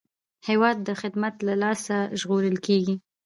هېواد د خدمت له لاسه ژغورل کېږي.